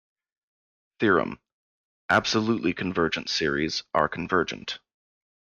Theorem: Absolutely convergent series are convergent.